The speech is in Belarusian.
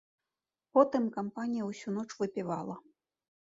Потым кампанія ўсю ноч выпівала.